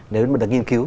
nếu mà được nghiên cứu